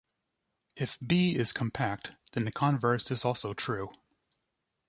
If "B" is compact, then the converse is also true.